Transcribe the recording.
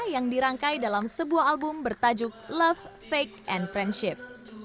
yang dirangkai dalam sebuah album bertajuk love fake and friendship